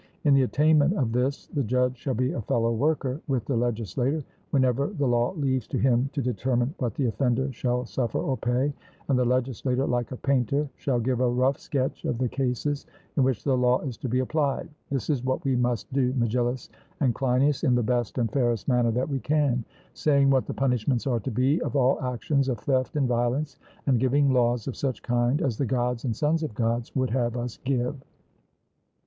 In the attainment of this the judge shall be a fellow worker with the legislator, whenever the law leaves to him to determine what the offender shall suffer or pay; and the legislator, like a painter, shall give a rough sketch of the cases in which the law is to be applied. This is what we must do, Megillus and Cleinias, in the best and fairest manner that we can, saying what the punishments are to be of all actions of theft and violence, and giving laws of such a kind as the Gods and sons of Gods would have us give.